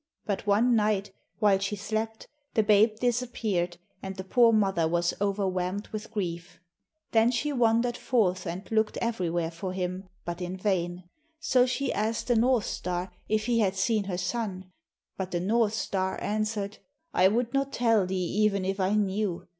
But one night, while she slept, the babe disappeared, and the poor mother was overwhelmed with grief. Then she wandered forth and looked everywhere for him, but in vain. So she asked the North star if he had seen her son. But the North star answered: 'I would not tell thee even if I knew.